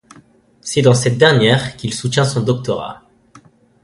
C'est dans cette dernière qu'il soutient son doctorat.